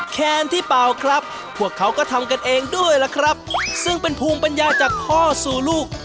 แคนที่เป่าครับพวกเขาก็ทำกันเองด้วยล่ะครับซึ่งเป็นภูมิปัญญาจากพ่อสู่ลูก